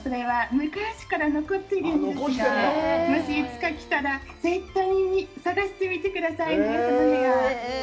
もしいつか来たら、絶対に探してみてくださいね。